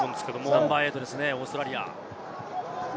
ナンバー８ですね、オーストラリア。